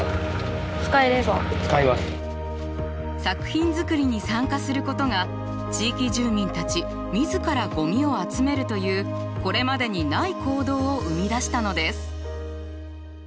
作品作りに参加することが地域住民たち自らゴミを集めるというこれまでにない行動を生み出したのです。